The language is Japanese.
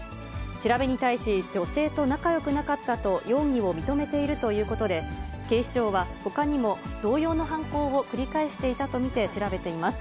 調べに対し、女性と仲よくなかったと、容疑を認めているということで、警視庁は、ほかにも同様の犯行を繰り返していたと見て、調べています。